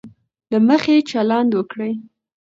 له مخي چلند وکړي.